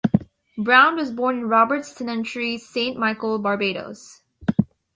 Browne was born in Robert's Tenantry, Saint Michael, Barbados.